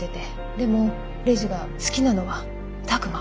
でもレイジが好きなのは拓真。